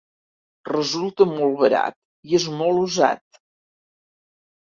Resulta molt barat i és molt usat.